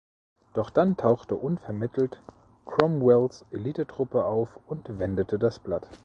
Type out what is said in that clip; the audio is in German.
Doch dann tauchte unvermittelt Cromwells Elitetruppe auf und wendete das Blatt.